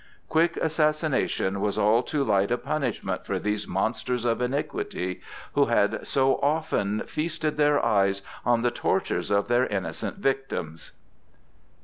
Quick assassination was all too light a punishment for these monsters of iniquity who had so often feasted their eyes on the tortures of their innocent victims.